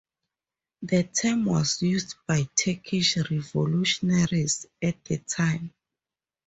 The term was used by Turkish revolutionaries at the time.